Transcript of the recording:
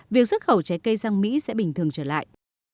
việc xuất khẩu trái cây sang mỹ sẽ bình thường trở lại